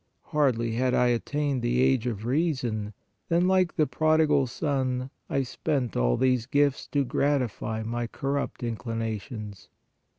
Hardly had I attained the age of reason, than like the prodi gal son, I spent all these gifts to gratify my corrupt inclinations.